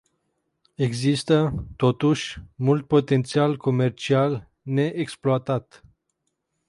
Există, totuși, mult potențial comercial neexploatat.